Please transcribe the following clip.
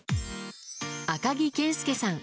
赤木謙介さん。